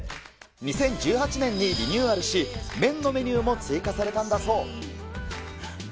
２０１８年にリニューアルし、麺のメニューも追加されたんだそう。